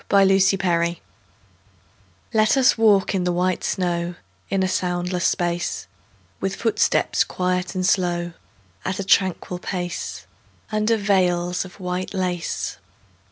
VELVET SHOES Let us walk in the white snow In a soundless space; With footsteps quiet and slow, At a tranquil pace, Under veils of white lace.